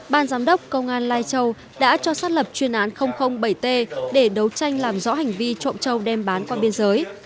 ban giám đốc công an lai châu đã cho xác lập chuyên án bảy t để đấu tranh làm rõ hành vi trộm châu đem bán qua biên giới